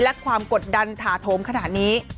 และความกดดันถาโถมขนาดนี้